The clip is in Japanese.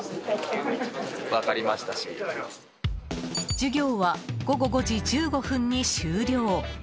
授業は午後５時１５分に終了。